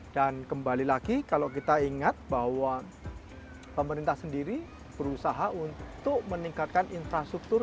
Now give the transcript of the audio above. dan kembali lagi kalau kita ingat bahwa pemerintah sendiri berusaha untuk meningkatkan infrastruktur